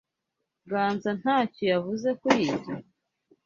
Ganza ntacyo yavuze kuri ibyo?